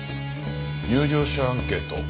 入場者アンケート？